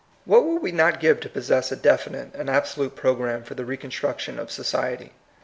What would we not give to possess a definite and absolute program for the re construction of society?